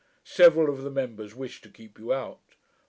] Several of the members wished to keep you out.